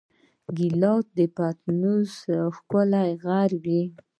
ګیلاس د پتنوس ښکلی غړی وي.